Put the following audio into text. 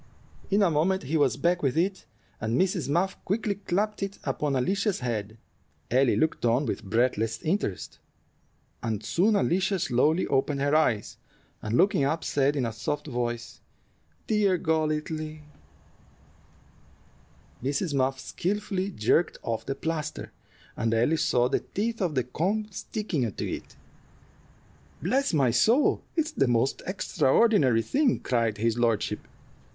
In a moment he was back with it, and Mrs. Muff quickly clapped it upon Alicia's head. Ellie looked on with breathless interest, and soon Alicia slowly opened her eyes, and looking up, said, in a soft voice, "Dear Golightly!" Mrs. Muff skillfully jerked off the plaster, and Ellie saw the teeth of the comb sticking to it. "Bless my soul! it's the most extraordinary thing," cried his lordship.